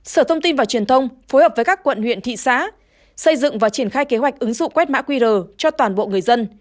sở thông tin và truyền thông phối hợp với các quận huyện thị xã xây dựng và triển khai kế hoạch ứng dụng quét mã qr cho toàn bộ người dân